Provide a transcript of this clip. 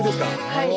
はい。